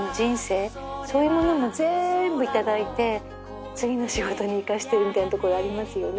そういうものも全部頂いて次の仕事に生かしてるみたいなところありますよね。